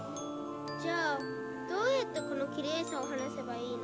じゃあどうやってこのきれいさを話せばいいの？